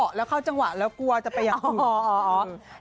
ถ่อแล้วขนาดกลัวแล้วกลัวจะไปอยากดู